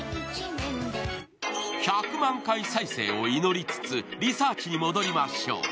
１００万回再生を祈りつつ、リサーチに戻りましょう。